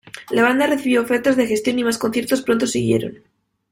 La banda recibió ofertas de gestión y más conciertos pronto siguieron.